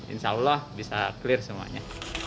insya allah bisa clear semuanya